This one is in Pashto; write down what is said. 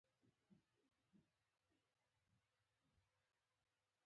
دښمن د وېرې زرغون فصل دی